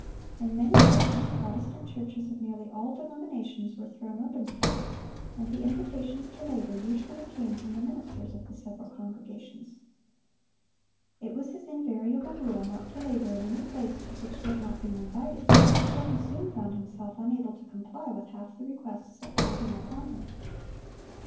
In many places Protestant churches of nearly all denominations were thrown open to him; and the invitations to labor usually came from the ministers of the several congregations. It was his invariable rule not to labor in any place to which he had not been invited, yet he soon found himself unable to comply with half the requests that poured in upon him.